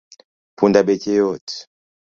Punda beche yot